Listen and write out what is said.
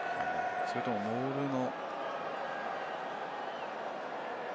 それともモールの。